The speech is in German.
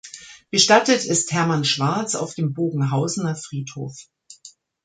Bestattet ist Hermann Schwarz auf dem Bogenhausener Friedhof.